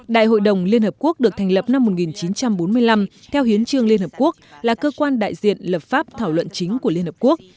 đại hội đồng liên hợp quốc được thành lập năm một nghìn chín trăm bốn mươi năm theo hiến trương liên hợp quốc là cơ quan đại diện lập pháp thảo luận chính của liên hợp quốc